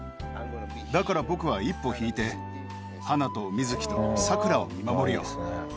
だから僕は一歩引いて、ハナとミズキとサクラを見守るよ。